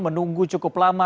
menunggu cukup lama